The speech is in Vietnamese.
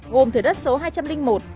gồm thử đất số hai trăm linh một